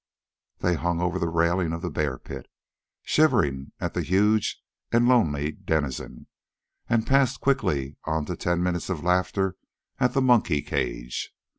They hung over the railing of the bear pit, shivering at the huge and lonely denizen, and passed quickly on to ten minutes of laughter at the monkey cage.